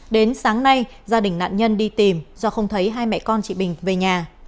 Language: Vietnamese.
đến sáng nay gia đình nạn nhân đi tìm do không thấy hai mẹ con chị bình về nhà